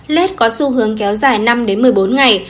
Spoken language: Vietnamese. lết có xu hướng kéo dài năm một mươi bốn ngày